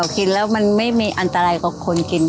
กินแล้วมันไม่มีอันตรายกับคนกิน